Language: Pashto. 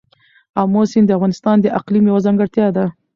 آمو سیند د افغانستان د اقلیم یوه ځانګړتیا ده.